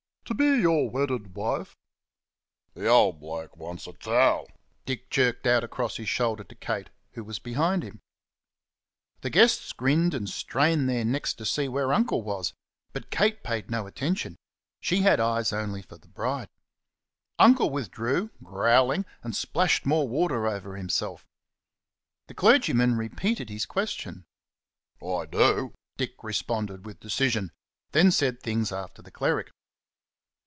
" to be your wedded wi " "The old bloke wants a towel," Dick jerked out across his shoulder to Kate, who was behind him. The guests grinned, and strained their necks to see where Uncle was. But Kate paid no attention she had eyes only for the bride. Uncle withdrew, growling, and splashed more water over himself. The clergyman repeated his question. "I do!" Dick responded with decision, then said things after the cleric.